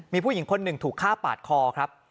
มีผู้หญิงคนหนึ่งถูกฆ่าปาดคอครับ